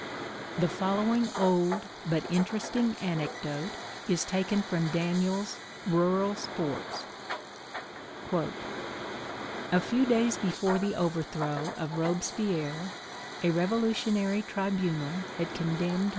The following old, but interesting anecdote, is taken from Daniel's "Rural Sports:" "A few days before the overthrow of Robespierre, a revolutionary tribunal had condemned M.